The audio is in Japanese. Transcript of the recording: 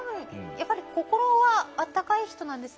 やっぱり心は温かい人なんですね。